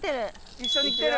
一緒に来てる。